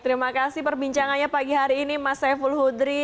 terima kasih perbincangannya pagi hari ini mas saiful hudri